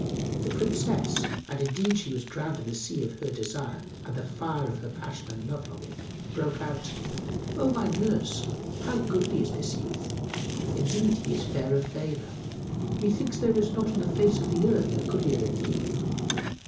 The Princess (and indeed she was drowned in the sea of her desire and the fire of her passion and love longing) broke out, "O my nurse, how goodly is this youth! Indeed he is fair of favour. Methinks, there is not on the face of earth a goodlier than he!"